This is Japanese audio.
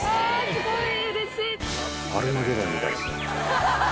すごいうれしい。